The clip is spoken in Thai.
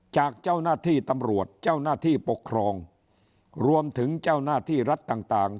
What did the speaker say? จากเจ้าหน้าที่ตำรวจเจ้าหน้าที่ปกครองรวมถึงเจ้าหน้าที่รัฐต่างต่าง